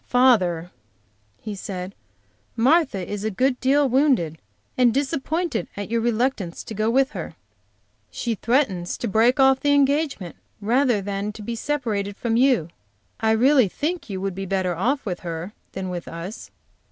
"Father," he said, "Martha is a good deal wounded and disappointed, at your reluctance to, go with her. She threatened to break off her engagement rather than to be separated from you. I really think you would be better off with her than with us.